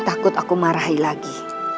takut aku marahi lagi